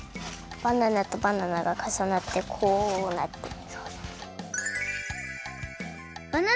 バナナとバナナがかさなってこうなってる。